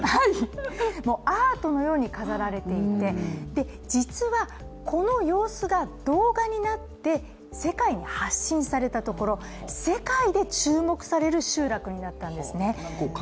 もうアートのように飾られていて実は、この様子が動画になって、世界に発信されたところ、世界で注目される集落になったんですね。